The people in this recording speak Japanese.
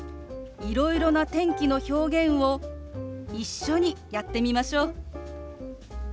いろいろな天気の表現を一緒にやってみましょう。